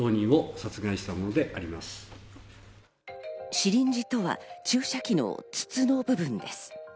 シリンジとは注射器の筒の部分です。